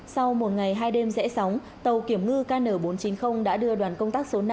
sau một ngày hai đêm rẽ sóng tàu kiểm ngư kn bốn trăm chín mươi đã đưa đoàn công tác số năm